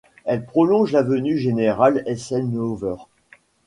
Elle prolonge l'avenue Général Eisenhower.